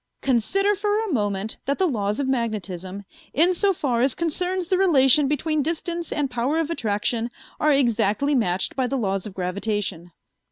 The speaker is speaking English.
"Consider for a moment that the laws of magnetism, insofar as concerns the relation between distance and power of attraction, are exactly matched by the laws of gravitation."